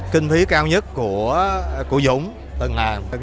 kinh phí cao nhất của dũng từng làm